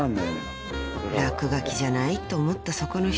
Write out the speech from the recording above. ［「落書きじゃない？」と思ったそこの人］